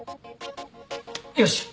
よし。